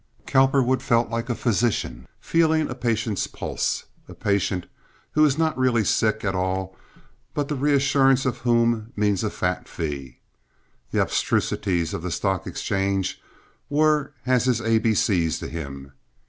Cowperwood felt like a physician feeling a patient's pulse—a patient who is really not sick at all but the reassurance of whom means a fat fee. The abstrusities of the stock exchange were as his A B C's to him.